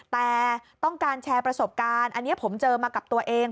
แต่ต้องการแชร์ประสบการณ์อันนี้ผมเจอมากับตัวเอง